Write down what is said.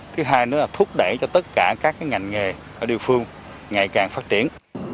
thứ hai nữa là thúc đẩy cho tất cả các ngành nghề ở địa phương ngày càng phát triển